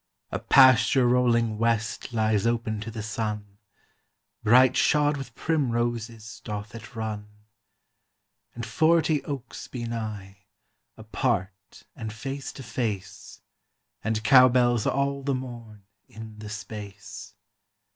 "A pasture rolling west Lies open to the sun, Bright shod with primroses Doth it run; And forty oaks be nigh, Apart, and face to face, And cow bells all the morn In the space.